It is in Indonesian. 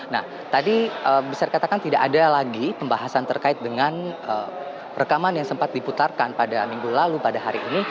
nah tadi bisa dikatakan tidak ada lagi pembahasan terkait dengan rekaman yang sempat diputarkan pada minggu lalu pada hari ini